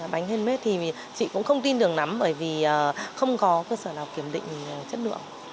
bánh handmade thì chị cũng không tin đường nắm bởi vì không có cơ sở nào kiểm định chất lượng